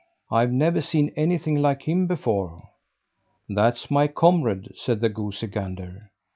I've never seen anything like him before." "That's my comrade," said the goosey gander.